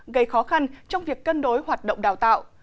gây khó khăn trong việc cân đối hoạt động đào tạo